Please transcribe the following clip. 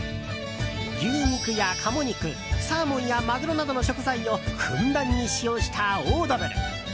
牛肉や鴨肉サーモンやマグロなどの食材をふんだんに使用したオードブル。